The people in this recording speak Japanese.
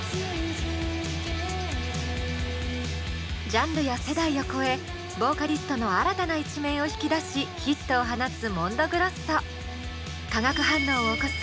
ジャンルや世代を超えボーカリストの新たな一面を引き出しヒットを放つＭＯＮＤＯＧＲＯＳＳＯ。